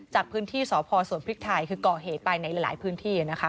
จากพื้นที่สพสวนพริกไทยคือก่อเหตุไปในหลายพื้นที่